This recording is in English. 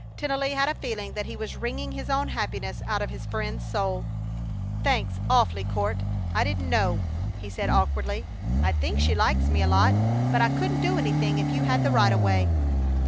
Tennelly had a feeling that he was wringing his own happiness out of his friend's soul: "Thanks, awfully, Court! I didn't know," he said, awkwardly. "I think she likes me a lot, but I couldn't do anything if you had the right of way."